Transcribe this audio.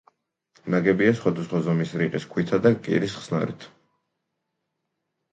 ნაგებია სხვადასხვა ზომის რიყის ქვითაა და კირის ხსნარით.